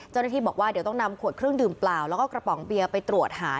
เจ้าหน้าที่บอกว่าเดี๋ยวต้องนำขวดเครื่องดื่มเปล่าแล้วก็กระป๋องเบียร์ไปตรวจหา